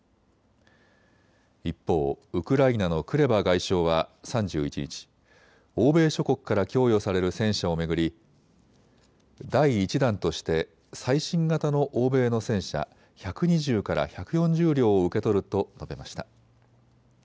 一方、ウクライナのクレバ外相は３１日、欧米諸国から供与される戦車を巡り、第１弾として最新型の欧米の戦車、１２０から１４０両を受け取ると述べました。